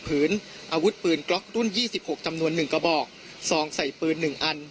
พื้นอาวุธปืนกล๊อกรุ่นยี่สิบหกจำนวนหนึ่งกระบอกสองใส่ปืนหนึ่งอัน